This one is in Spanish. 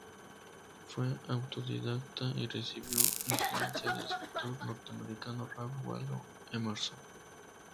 Fue autodidacta y recibió influencia del escritor norteamericano Ralph Waldo Emerson.